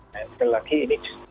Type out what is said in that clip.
dan sekali lagi ini